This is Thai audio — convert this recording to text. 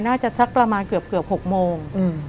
น่าจะสักประมาณเกือบ๖โมง